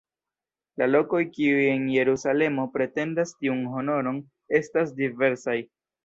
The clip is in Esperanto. La lokoj kiuj en Jerusalemo pretendas tiun honoron estas diversaj.